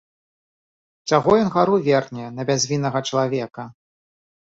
Чаго ён гару верне на бязвіннага чалавека?